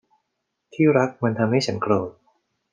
ที่รัก มันทำให้ฉันโกรธ